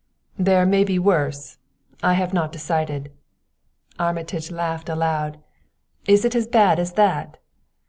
"There may be worse I have not decided." Armitage laughed aloud. "Is it as bad as that?"